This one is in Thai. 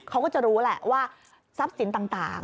เขาก็จะรู้แหละว่าทรัพย์สินต่าง